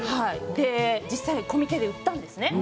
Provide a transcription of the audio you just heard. で実際にコミケで売ったんですね。